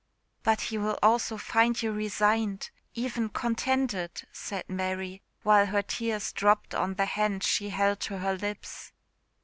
"But he will also find you resigned even contented," said Mary, while her tears dropped on the hand she held to her lips.